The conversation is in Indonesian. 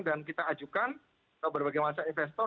dan kita ajukan kepada berbagai macam investor